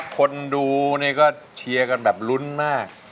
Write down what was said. คนดูเนี่ยก็เชียร์กันแบบลุ้นมาก